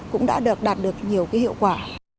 cũng đã đạt được nhiều hiệu quả